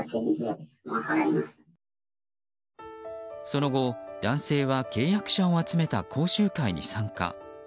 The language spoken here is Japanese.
その後、男性は契約者を集めた講習会に参加。